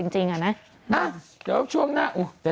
จริงค่ะ